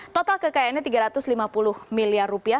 total kekayaannya tiga ratus lima puluh miliar rupiah